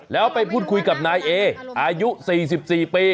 แล้วไปพูดคุยกับนายเออายุ๔๔ปี